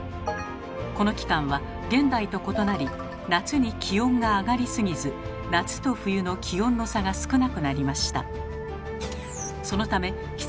この期間は現代と異なり夏に気温が上がりすぎず夏と冬の気温の差が少なくなりました。